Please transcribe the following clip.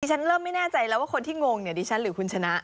ฉันเริ่มไม่แน่ใจแล้วว่าคนที่งงเนี่ยดิฉันหรือคุณชนะ